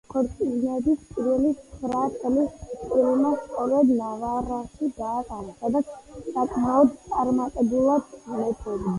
ქორწინების პირველი ცხრა წელი წყვილმა სწორედ ნავარაში გაატარა, სადაც საკმაოდ წარმატებულად მეფობდნენ.